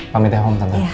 pamit ya om tante